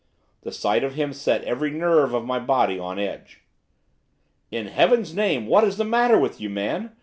The sight of him set every nerve of my body on edge. 'In Heaven's name, what is the matter with you, man?